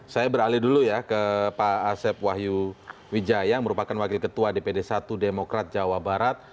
saya beralih dulu ya ke pak asep wahyu wijaya yang merupakan wakil ketua dpd satu demokrat jawa barat